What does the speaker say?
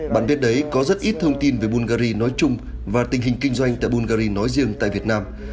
bạn biết đấy có rất ít thông tin về bulgari nói chung và tình hình kinh doanh tại bungary nói riêng tại việt nam